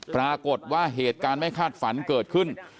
ปรากฏว่าเหตุการณ์ไม่คาดฝันเกิดขึ้น